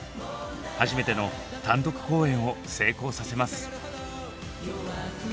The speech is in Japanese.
初めての単独公演を成功させます。